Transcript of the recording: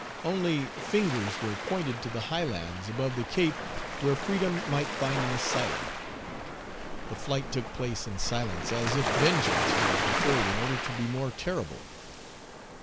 Only fingers were pointed to the high lands above the Cape where freedom might find an asylum. The flight took place in silence, as if vengeance was deferred in order to be more terrible.